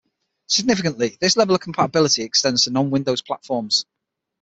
Significantly, this level of compatibility extends to non-Windows platforms.